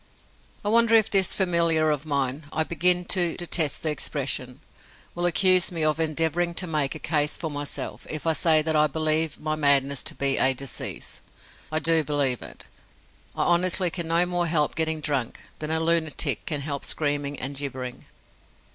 I wonder if this familiar of mine I begin to detest the expression will accuse me of endeavouring to make a case for myself if I say that I believe my madness to be a disease? I do believe it. I honestly can no more help getting drunk than a lunatic can help screaming and gibbering.